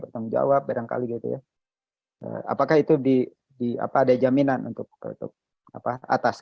bertanggung jawab barangkali gitu ya apakah itu di di apa ada jaminan untuk apa atas